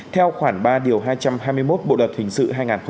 theo khoảng ba điều hai trăm hai mươi một bộ đợt hình sự hai nghìn một mươi năm